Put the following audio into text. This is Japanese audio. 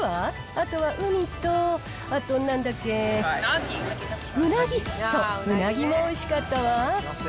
あとはウニと、なんだっけ、うなぎ、そう、うなぎもおいしかったわ。